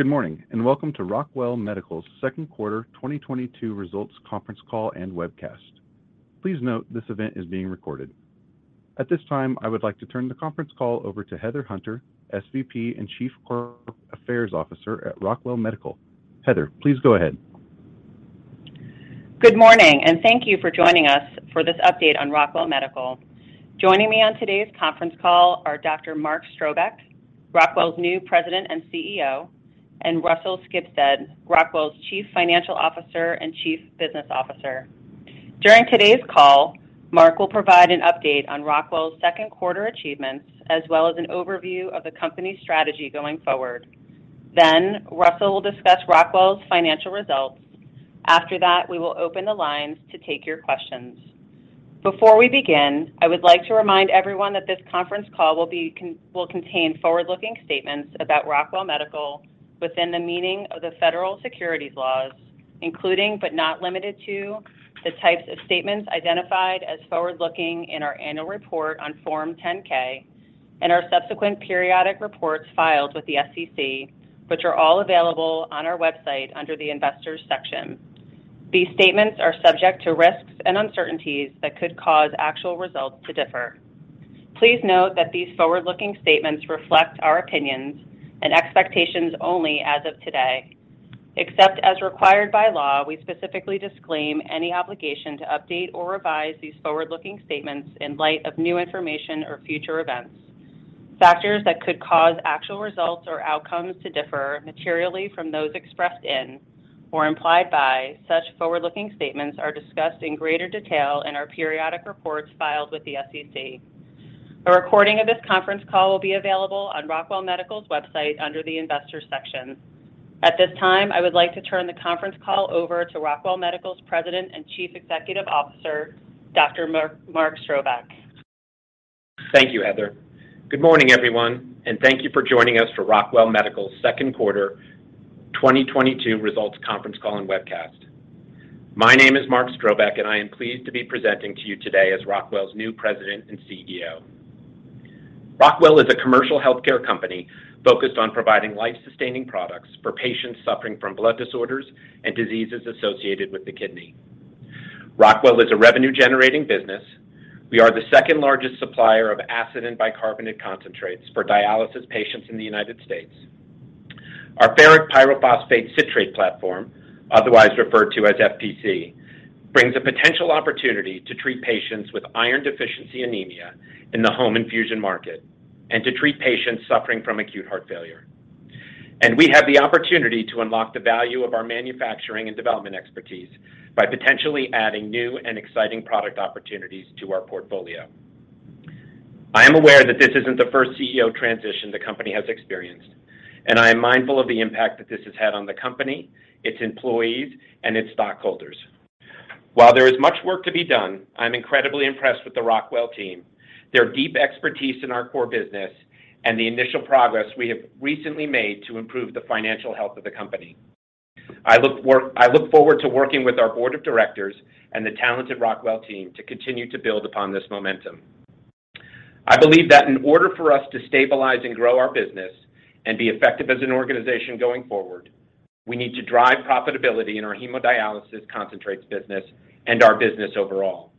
Good morning, and welcome to Rockwell Medical's second quarter 2022 results conference call and webcast. Please note this event is being recorded. At this time, I would like to turn the conference call over to Heather Hunter, SVP and Chief Corporate Affairs Officer at Rockwell Medical. Heather, please go ahead. Good morning, and thank you for joining us for this update on Rockwell Medical. Joining me on today's conference call are Dr. Mark Strobeck, Rockwell's new President and CEO, and Russell Skibsted, Rockwell's Chief Financial Officer and Chief Business Officer. During today's call, Mark will provide an update on Rockwell's second quarter achievements as well as an overview of the company's strategy going forward. Then Russell will discuss Rockwell's financial results. After that, we will open the lines to take your questions. Before we begin, I would like to remind everyone that this conference call will contain forward-looking statements about Rockwell Medical within the meaning of the federal securities laws, including but not limited to the types of statements identified as forward-looking in our annual report on Form 10-K and our subsequent periodic reports filed with the SEC, which are all available on our website under the Investors section. These statements are subject to risks and uncertainties that could cause actual results to differ. Please note that these forward-looking statements reflect our opinions and expectations only as of today. Except as required by law, we specifically disclaim any obligation to update or revise these forward-looking statements in light of new information or future events. Factors that could cause actual results or outcomes to differ materially from those expressed in or implied by such forward-looking statements are discussed in greater detail in our periodic reports filed with the SEC. A recording of this conference call will be available on Rockwell Medical's website under the Investors section. At this time, I would like to turn the conference call over to Rockwell Medical's President and Chief Executive Officer, Dr. Mark Strobeck. Thank you, Heather. Good morning, everyone, and thank you for joining us for Rockwell Medical's second quarter 2022 results conference call and webcast. My name is Mark Strobeck, and I am pleased to be presenting to you today as Rockwell's new President and CEO. Rockwell is a commercial healthcare company focused on providing life-sustaining products for patients suffering from blood disorders and diseases associated with the kidney. Rockwell is a revenue-generating business. We are the second-largest supplier of acid and bicarbonate concentrates for dialysis patients in the United States. Our ferric pyrophosphate citrate platform, otherwise referred to as FPC, brings a potential opportunity to treat patients with iron deficiency anemia in the home infusion market and to treat patients suffering from acute heart failure. We have the opportunity to unlock the value of our manufacturing and development expertise by potentially adding new and exciting product opportunities to our portfolio. I am aware that this isn't the first CEO transition the company has experienced, and I am mindful of the impact that this has had on the company, its employees, and its stockholders. While there is much work to be done, I'm incredibly impressed with the Rockwell team, their deep expertise in our core business, and the initial progress we have recently made to improve the financial health of the company. I look forward to working with our board of directors and the talented Rockwell team to continue to build upon this momentum. I believe that in order for us to stabilize and grow our business and be effective as an organization going forward, we need to drive profitability in our hemodialysis concentrates business and our business overall.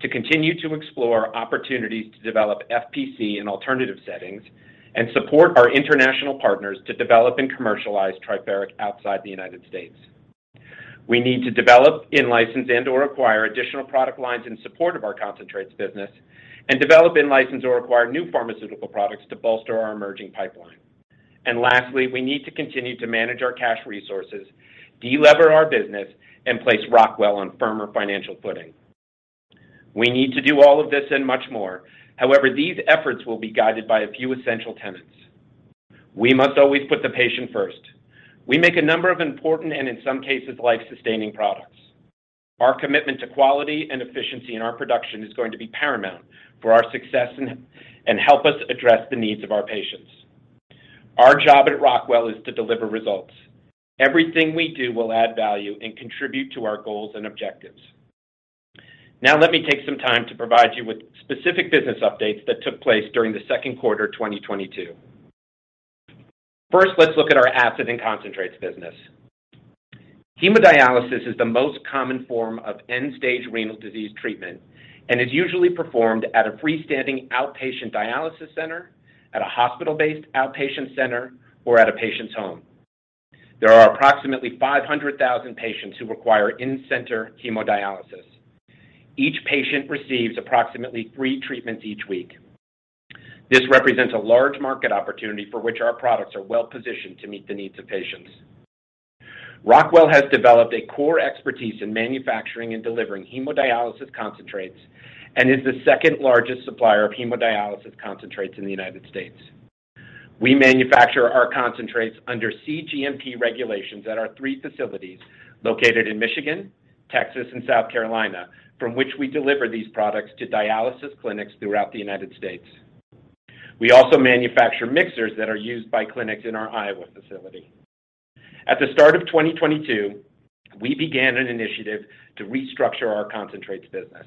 To continue to explore opportunities to develop FPC in alternative settings and support our international partners to develop and commercialize Triferic outside the United States. We need to develop, in-license, and/or acquire additional product lines in support of our concentrates business and develop, in-license, or acquire new pharmaceutical products to bolster our emerging pipeline. Lastly, we need to continue to manage our cash resources, de-lever our business, and place Rockwell on firmer financial footing. We need to do all of this and much more. However, these efforts will be guided by a few essential tenets. We must always put the patient first. We make a number of important and, in some cases, life-sustaining products. Our commitment to quality and efficiency in our production is going to be paramount for our success and help us address the needs of our patients. Our job at Rockwell is to deliver results. Everything we do will add value and contribute to our goals and objectives. Now let me take some time to provide you with specific business updates that took place during the second quarter 2022. First, let's look at our acid and concentrates business. Hemodialysis is the most common form of end-stage renal disease treatment and is usually performed at a freestanding outpatient dialysis center, at a hospital-based outpatient center, or at a patient's home. There are approximately 500,000 patients who require in-center hemodialysis. Each patient receives approximately three treatments each week. This represents a large market opportunity for which our products are well-positioned to meet the needs of patients. Rockwell has developed a core expertise in manufacturing and delivering hemodialysis concentrates and is the second-largest supplier of hemodialysis concentrates in the United States. We manufacture our concentrates under cGMP regulations at our three facilities located in Michigan, Texas, and South Carolina, from which we deliver these products to dialysis clinics throughout the United States. We also manufacture mixers that are used by clinics in our Iowa facility. At the start of 2022, we began an initiative to restructure our concentrates business.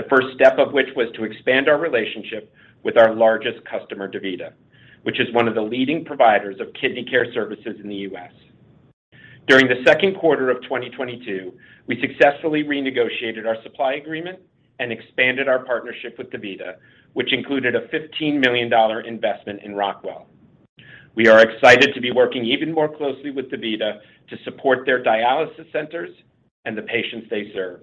The first step of which was to expand our relationship with our largest customer, DaVita, which is one of the leading providers of kidney care services in the U.S. During the second quarter of 2022, we successfully renegotiated our supply agreement and expanded our partnership with DaVita, which included a $15 million investment in Rockwell. We are excited to be working even more closely with DaVita to support their dialysis centers and the patients they serve.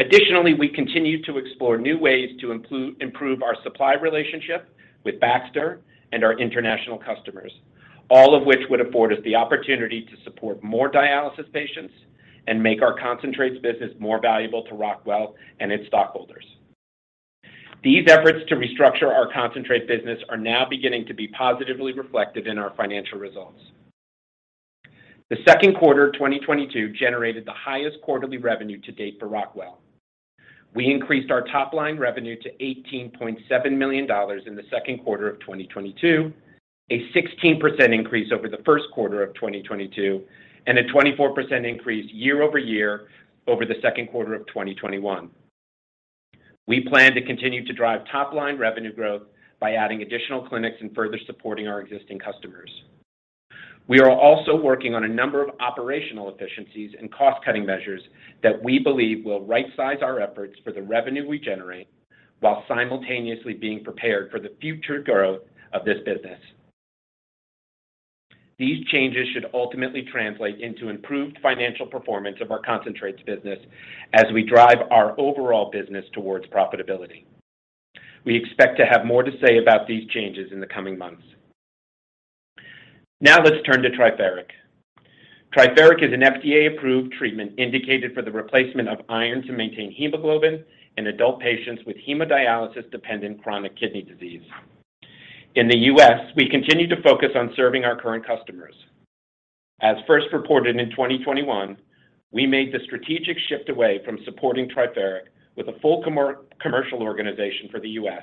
Additionally, we continue to explore new ways to improve our supply relationship with Baxter and our international customers, all of which would afford us the opportunity to support more dialysis patients and make our concentrates business more valuable to Rockwell and its stockholders. These efforts to restructure our concentrate business are now beginning to be positively reflected in our financial results. The second quarter of 2022 generated the highest quarterly revenue to date for Rockwell. We increased our top-line revenue to $18.7 million in the second quarter of 2022, a 16% increase over the first quarter of 2022, and a 24% increase year-over-year over the second quarter of 2021. We plan to continue to drive top-line revenue growth by adding additional clinics and further supporting our existing customers. We are also working on a number of operational efficiencies and cost-cutting measures that we believe will right-size our efforts for the revenue we generate while simultaneously being prepared for the future growth of this business. These changes should ultimately translate into improved financial performance of our concentrates business as we drive our overall business towards profitability. We expect to have more to say about these changes in the coming months. Now let's turn to Triferic. Triferic is an FDA-approved treatment indicated for the replacement of iron to maintain hemoglobin in adult patients with hemodialysis-dependent chronic kidney disease. In the U.S., we continue to focus on serving our current customers. As first reported in 2021, we made the strategic shift away from supporting Triferic with a full commercial organization for the U.S.,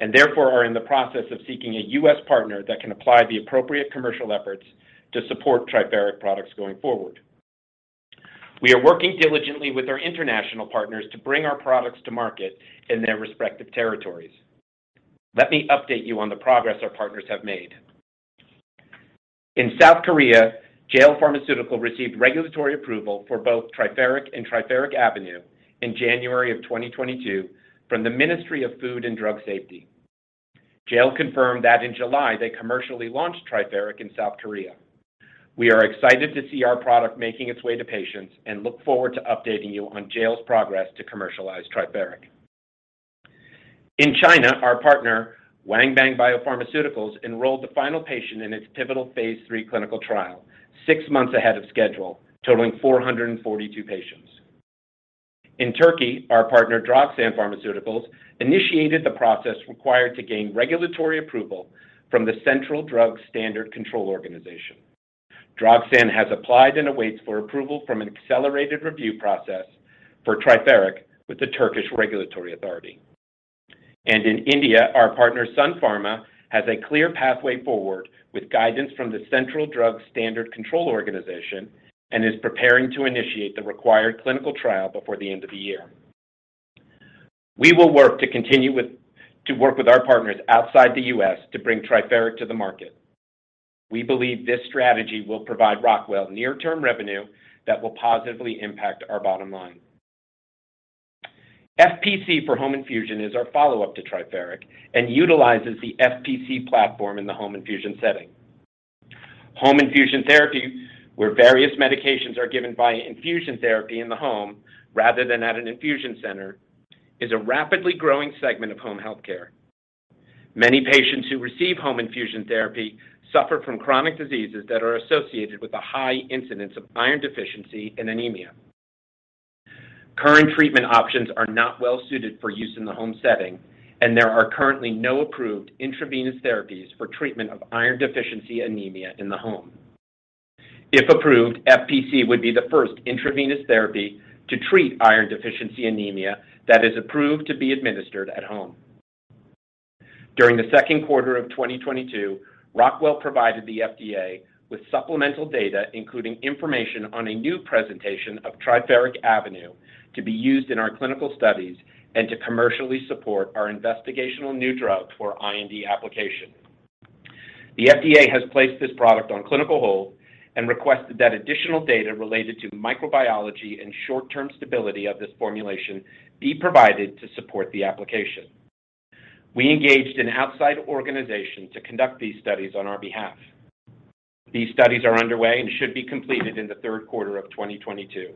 and therefore are in the process of seeking a U.S. partner that can apply the appropriate commercial efforts to support Triferic products going forward. We are working diligently with our international partners to bring our products to market in their respective territories. Let me update you on the progress our partners have made. In South Korea, JW Pharmaceutical received regulatory approval for both Triferic and Triferic AVNU in January of 2022 from the Ministry of Food and Drug Safety. JW confirmed that in July, they commercially launched Triferic in South Korea. We are excited to see our product making its way to patients and look forward to updating you on JW's progress to commercialize Triferic. In China, our partner, Wanbang Biopharmaceuticals, enrolled the final patient in its pivotal phase III clinical trial six months ahead of schedule, totaling 442 patients. In Turkey, our partner, Drogsan Pharmaceuticals, initiated the process required to gain regulatory approval from the Central Drugs Standard Control Organisation. Drogsan has applied and awaits for approval from an accelerated review process for Triferic with the Turkish Medicines and Medical Devices Agency. In India, our partner, Sun Pharma, has a clear pathway forward with guidance from the Central Drugs Standard Control Organisation and is preparing to initiate the required clinical trial before the end of the year. We will work with our partners outside the U.S. to bring Triferic to the market. We believe this strategy will provide Rockwell near-term revenue that will positively impact our bottom line. FPC for home infusion is our follow-up to Triferic and utilizes the FPC platform in the home infusion setting. Home infusion therapy, where various medications are given by infusion therapy in the home rather than at an infusion center, is a rapidly growing segment of home healthcare. Many patients who receive home infusion therapy suffer from chronic diseases that are associated with a high incidence of iron deficiency and anemia. Current treatment options are not well suited for use in the home setting, and there are currently no approved intravenous therapies for treatment of iron deficiency anemia in the home. If approved, FPC would be the first intravenous therapy to treat iron deficiency anemia that is approved to be administered at home. During the second quarter of 2022, Rockwell provided the FDA with supplemental data, including information on a new presentation of Triferic AVNU, to be used in our clinical studies and to commercially support our investigational new drug for IND application. The FDA has placed this product on clinical hold and requested that additional data related to microbiology and short-term stability of this formulation be provided to support the application. We engaged an outside organization to conduct these studies on our behalf. These studies are underway and should be completed in the third quarter of 2022.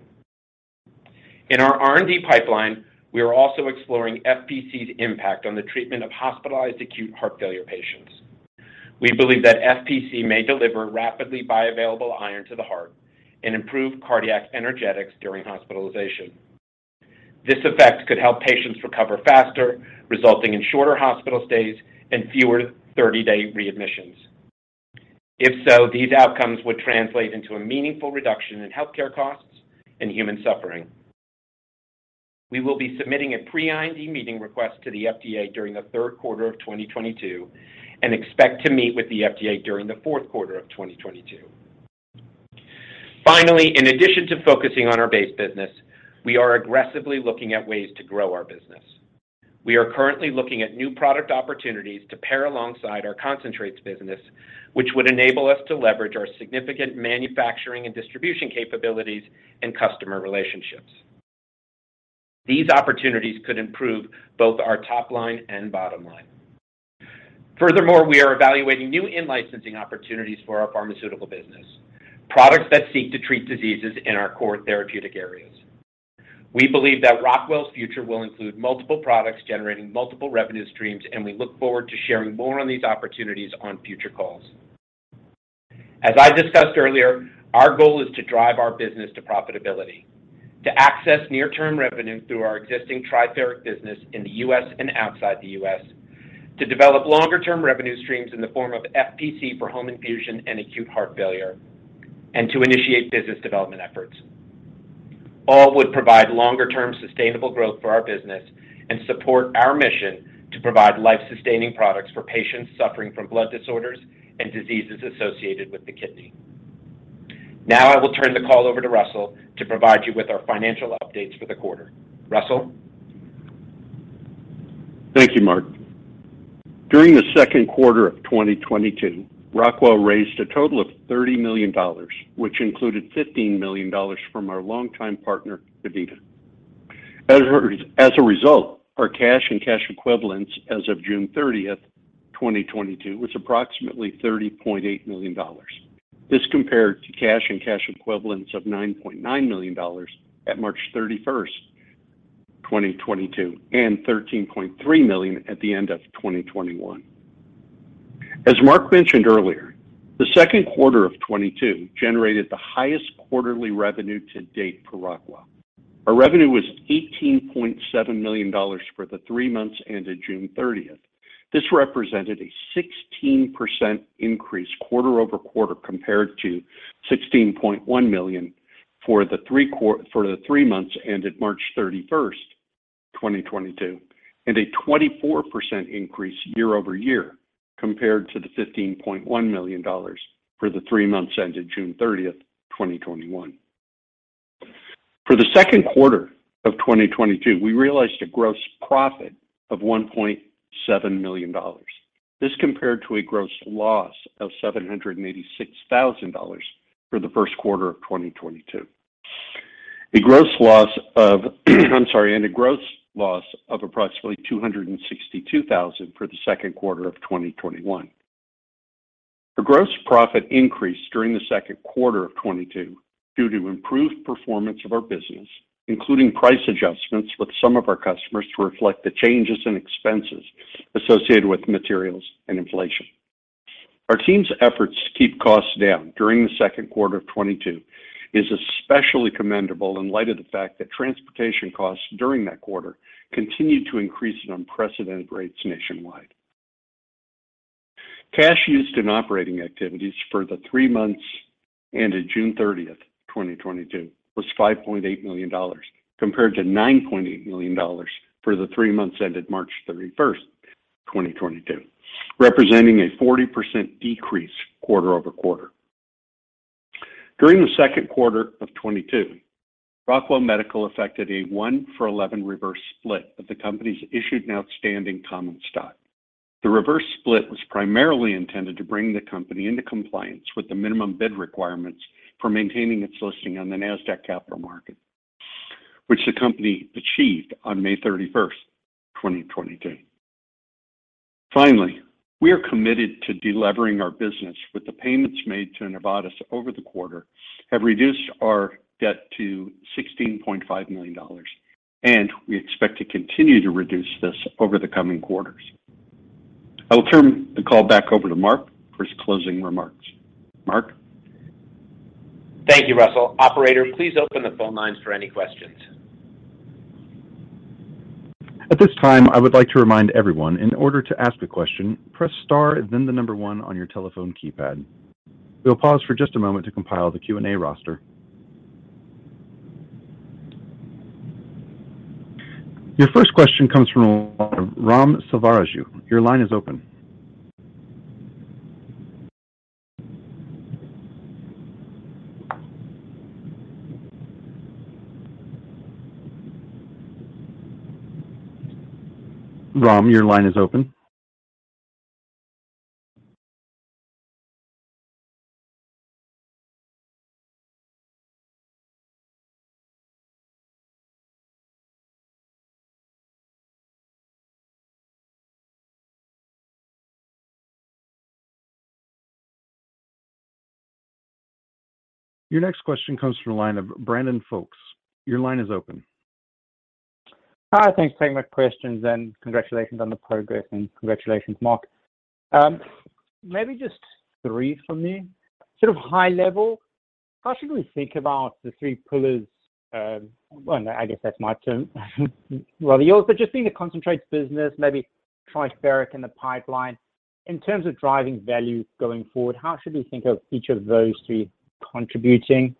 In our R&D pipeline, we are also exploring FPC's impact on the treatment of hospitalized acute heart failure patients. We believe that FPC may deliver rapidly bioavailable iron to the heart and improve cardiac energetics during hospitalization. This effect could help patients recover faster, resulting in shorter hospital stays and fewer 30-day readmissions. If so, these outcomes would translate into a meaningful reduction in healthcare costs and human suffering. We will be submitting a pre-IND meeting request to the FDA during the third quarter of 2022 and expect to meet with the FDA during the fourth quarter of 2022. Finally, in addition to focusing on our base business, we are aggressively looking at ways to grow our business. We are currently looking at new product opportunities to pair alongside our concentrates business, which would enable us to leverage our significant manufacturing and distribution capabilities and customer relationships. These opportunities could improve both our top line and bottom line. Furthermore, we are evaluating new in-licensing opportunities for our pharmaceutical business, products that seek to treat diseases in our core therapeutic areas. We believe that Rockwell's future will include multiple products generating multiple revenue streams, and we look forward to sharing more on these opportunities on future calls. As I discussed earlier, our goal is to drive our business to profitability, to access near-term revenue through our existing Triferic business in the U.S. and outside the U.S., to develop longer-term revenue streams in the form of FPC for home infusion and acute heart failure, and to initiate business development efforts. All would provide longer-term sustainable growth for our business and support our mission to provide life-sustaining products for patients suffering from blood disorders and diseases associated with the kidney. Now I will turn the call over to Russell to provide you with our financial updates for the quarter. Russell. Thank you, Mark. During the second quarter of 2022, Rockwell raised a total of $30 million, which included $15 million from our longtime partner, DaVita. As a result, our cash and cash equivalents as of June 30th, 2022 was approximately $30.8 million. This compared to cash and cash equivalents of $9.9 million at March 31st, 2022, and $13.3 million at the end of 2021. As Mark mentioned earlier, the second quarter of 2022 generated the highest quarterly revenue to date for Rockwell. Our revenue was $18.7 million for the three months ended June 30th. This represented a 16% increase quarter-over-quarter compared to $16.1 million for the three months ended March 31st, 2022, and a 24% increase year-over-year compared to the $15.1 million for the three months ended June 30, 2021. For the second quarter of 2022, we realized a gross profit of $1.7 million. This compared to a gross loss of $786,000 for the first quarter of 2022. A gross loss of, I'm sorry, and a gross loss of approximately $262,000 for the second quarter of 2021. The gross profit increased during the second quarter of 2022 due to improved performance of our business, including price adjustments with some of our customers to reflect the changes in expenses associated with materials and inflation. Our team's efforts to keep costs down during the second quarter of 2022 is especially commendable in light of the fact that transportation costs during that quarter continued to increase at unprecedented rates nationwide. Cash used in operating activities for the three months ended June 30th, 2022 was $5.8 million, compared to $9.8 million for the three months ended March 31st, 2022, representing a 40% decrease quarter over quarter. During the second quarter of 2022, Rockwell Medical effected a one-for-11 reverse split of the company's issued and outstanding common stock. The reverse split was primarily intended to bring the company into compliance with the minimum bid requirements for maintaining its listing on the Nasdaq Capital Market, which the company achieved on May 31st, 2022. Finally, we are committed to delevering our business with the payments made to Novartis over the quarter have reduced our debt to $16.5 million, and we expect to continue to reduce this over the coming quarters. I will turn the call back over to Mark for his closing remarks. Mark. Thank you, Russell. Operator, please open the phone lines for any questions. At this time, I would like to remind everyone in order to ask a question, press star and then the number one on your telephone keypad. We'll pause for just a moment to compile the Q&A roster. Your first question comes from Ram Selvaraju. Your line is open. Ram, your line is open. Your next question comes from the line of Brandon Folkes. Your line is open. Hi. Thanks for taking my questions, and congratulations on the progress and congratulations, Mark. Maybe just three from me. Sort of high level, how should we think about the three pillars? Well, I guess that's my term. Well, yours, but just seeing the concentrates business, maybe Triferic in the pipeline in terms of driving value going forward, how should we think of each of those three contributing?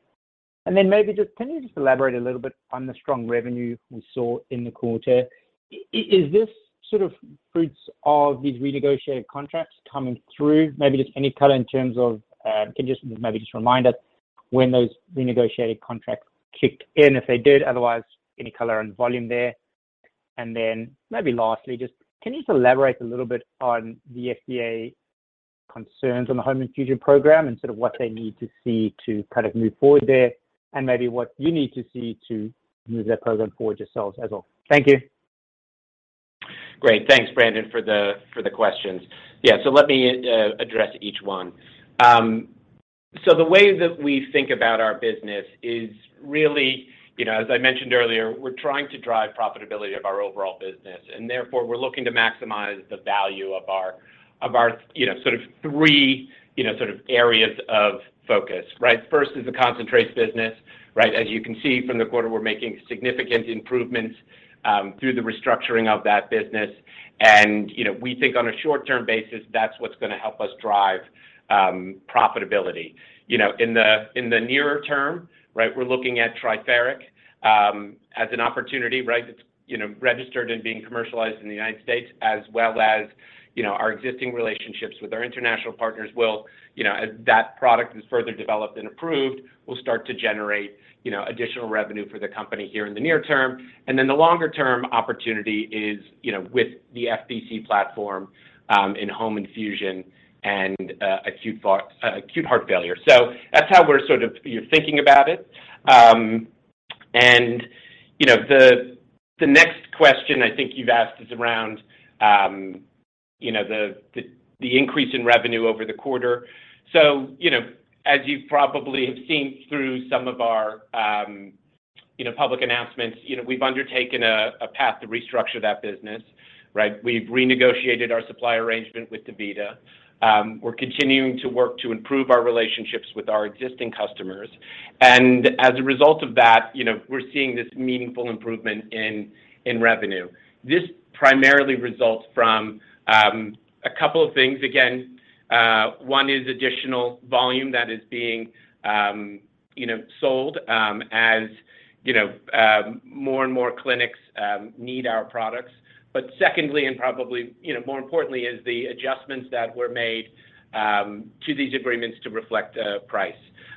Then maybe just can you just elaborate a little bit on the strong revenue we saw in the quarter? Is this sort of fruits of these renegotiated contracts coming through? Maybe just any color in terms of, can you just maybe just remind us when those renegotiated contracts kicked in, if they did. Otherwise, any color and volume there. Maybe lastly, just can you just elaborate a little bit on the FDA concerns on the home infusion program and sort of what they need to see to kind of move forward there and maybe what you need to see to move that program forward yourselves as well. Thank you. Great. Thanks, Brandon, for the questions. Yeah. Let me address each one. The way that we think about our business is really, you know, as I mentioned earlier, we're trying to drive profitability of our overall business, and therefore we're looking to maximize the value of our, you know, sort of three, you know, sort of areas of focus, right? First is the concentrates business, right? As you can see from the quarter, we're making significant improvements through the restructuring of that business. You know, we think on a short-term basis, that's what's gonna help us drive profitability. You know, in the nearer term, right, we're looking at Triferic as an opportunity, right? It's, you know, registered and being commercialized in the United States as well as, you know, our existing relationships with our international partners will, you know, as that product is further developed and approved, will start to generate, you know, additional revenue for the company here in the near term. Then the longer term opportunity is, you know, with the FPC platform in home infusion and acute heart failure. That's how we're sort of thinking about it. You know, the next question I think you've asked is around, you know, the increase in revenue over the quarter. You know, as you probably have seen through some of our, you know, public announcements, you know, we've undertaken a path to restructure that business, right? We've renegotiated our supply arrangement with DaVita. We're continuing to work to improve our relationships with our existing customers. As a result of that, you know, we're seeing this meaningful improvement in revenue. This primarily results from a couple of things. Again, one is additional volume that is being, you know, sold as, you know, more and more clinics need our products. Secondly, and probably, you know, more importantly, is the adjustments that were made to these agreements to reflect price.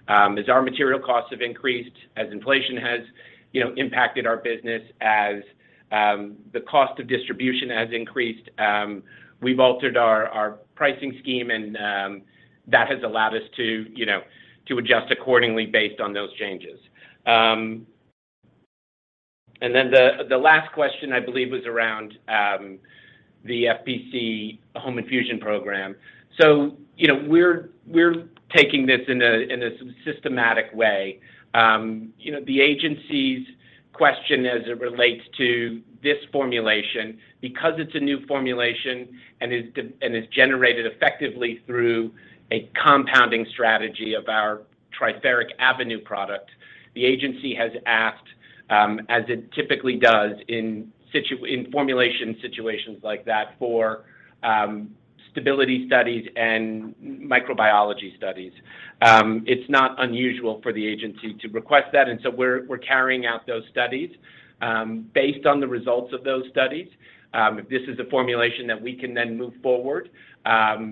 As our material costs have increased, as inflation has, you know, impacted our business, as the cost of distribution has increased, we've altered our pricing scheme and that has allowed us to, you know, to adjust accordingly based on those changes. Then the last question I believe was around the FPC home infusion program. You know, we're taking this in a systematic way. You know, the agency's question as it relates to this formulation, because it's a new formulation and is generated effectively through a compounding strategy of our Triferic AVNU product, the agency has asked, as it typically does in formulation situations like that for, stability studies and microbiology studies. It's not unusual for the agency to request that. We're carrying out those studies. Based on the results of those studies, if this is a formulation that we can then move forward,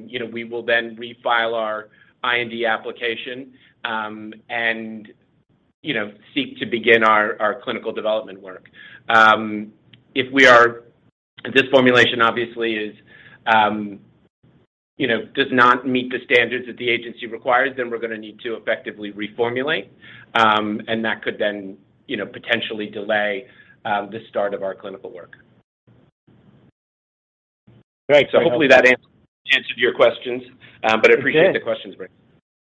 you know, we will then refile our IND application, and, you know, seek to begin our clinical development work. If this formulation obviously is, you know, does not meet the standards that the agency requires, then we're gonna need to effectively reformulate, and that could then, you know, potentially delay the start of our clinical work. Great. Hopefully that answered your questions. I appreciate the questions, Brandon.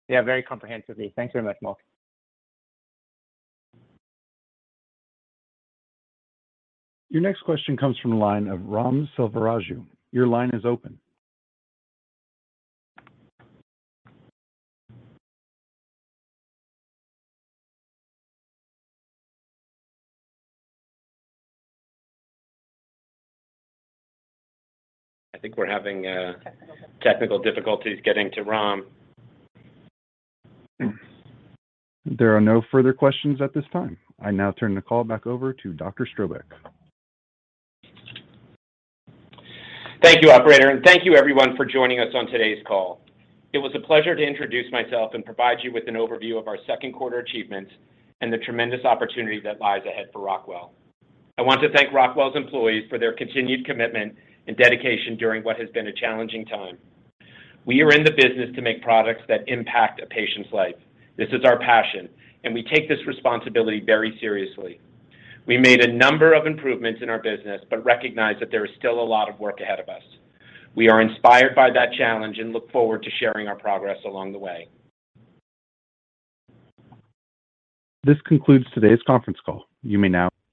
Yeah, very comprehensively. Thank you very much, Mark. Your next question comes from the line of Ram Selvaraju. Your line is open. I think we're having technical difficulties getting to Ram. There are no further questions at this time. I now turn the call back over to Dr. Strobeck. Thank you, operator, and thank you everyone for joining us on today's call. It was a pleasure to introduce myself and provide you with an overview of our second quarter achievements and the tremendous opportunity that lies ahead for Rockwell. I want to thank Rockwell's employees for their continued commitment and dedication during what has been a challenging time. We are in the business to make products that impact a patient's life. This is our passion, and we take this responsibility very seriously. We made a number of improvements in our business, but recognize that there is still a lot of work ahead of us. We are inspired by that challenge and look forward to sharing our progress along the way. This concludes today's conference call. You may now